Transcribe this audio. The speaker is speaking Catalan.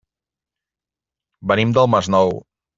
Venim del Masnou.